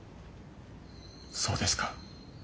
そうですか。